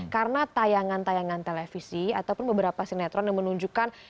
karena tayangan tayangan televisi ataupun beberapa sinetron yang menunjukkan